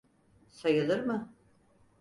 Sayılır mı?